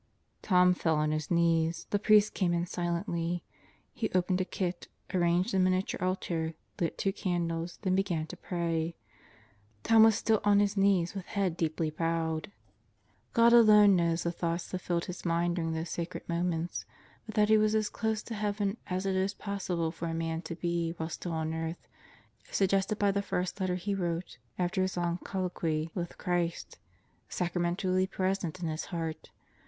Tom fell on his knees. The priest came in silently. He opened a kit; arranged a miniature altar; lit two candles, then began to pray. Tom was still on his knees with head deeply bowed. God 196 God Goes to Murderer's Row alone knows the thoughts that filled his mind during those sacred moments, but that he was as close to heaven as it is possible for a man to be while still on earth is suggested by the first letter he wrote after his long colloquy with Christ, sacramentally present in his heart.